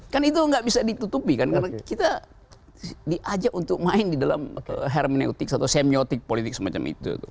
kan itu nggak bisa ditutupi kan karena kita diajak untuk main di dalam hermeneutik atau semiotik politik semacam itu